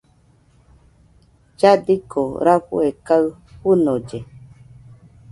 Lladiko rafue kaɨ fɨnolle.